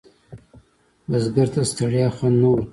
بزګر ته ستړیا خوند نه ورکوي